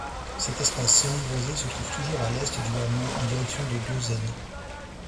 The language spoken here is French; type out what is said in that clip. Cet espace semi-boisé se trouve toujours à l'est du hameau en direction de Gueuzaine.